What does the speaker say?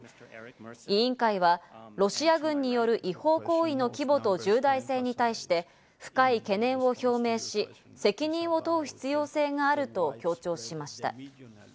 委員会はロシア軍による違法行為の規模と重大性に対して深い懸念を表明し、責任を問う必要性があると強調しました。